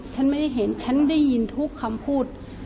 ฉันไม่ได้เห็นฉันได้ยินทุกคำพูด